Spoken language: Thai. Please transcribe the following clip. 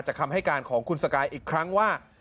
คำให้การของคุณสกายอีกครั้งว่า